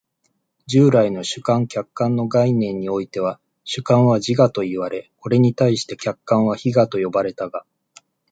従来の主観・客観の概念においては、主観は自我といわれ、これに対して客観は非我と呼ばれたが、